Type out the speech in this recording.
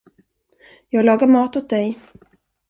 Jag lagar mat åt dig.